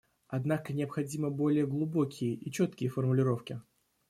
Однако необходимы более глубокие и четкие формулировки.